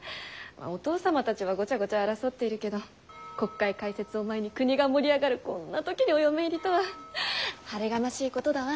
お父様たちはごちゃごちゃ争っているけど国会開設を前に国が盛り上がるこんな時にお嫁入りとは晴れがましいことだわ。